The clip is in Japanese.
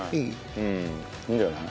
うんいいんじゃない？